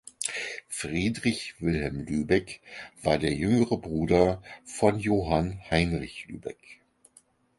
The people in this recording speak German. Friedrich Wilhelm Lübeck war der jüngere Bruder von Johann Heinrich Lübeck.